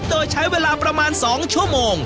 โดยใช้เวลาประมาณ๒ชั่วโมง